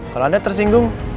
kalau anda tersinggung